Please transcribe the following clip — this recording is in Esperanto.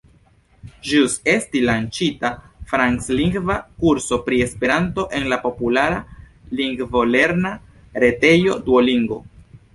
Ĵus estis lanĉita franclingva kurso pri Esperanto en la populara lingvolerna retejo Duolingo.